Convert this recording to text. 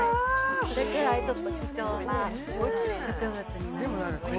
それくらい貴重な植物になりますね